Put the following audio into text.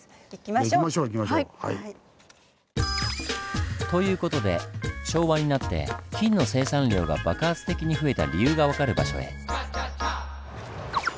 行きましょう。という事で昭和になって金の生産量が爆発的に増えた理由が分かる場所へ。